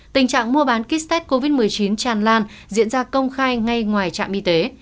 tình trạng mua bán kiss covid một mươi chín tràn lan diễn ra công khai ngay ngoài trạm y tế